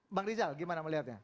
mbak rizal gimana melihatnya